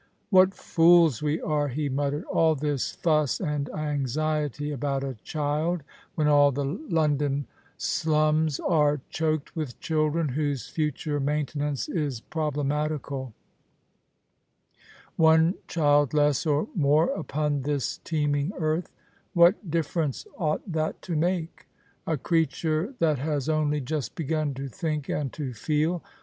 " What fools we are !" he muttered. " All this fuss and anxiety about a child, when all the London slums are choked with children whose future maintenance is problematical ! One child less or more upon this teemino earth ! What difference ought that to make ? A 208 The Christmas Hirelings. creature that lias only just begun to think and to feel